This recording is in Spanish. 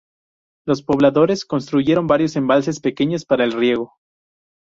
Los pobladores construyeron varios embalses pequeños para el riego.